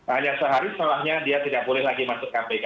hanya sehari setelahnya dia tidak boleh lagi masuk kpk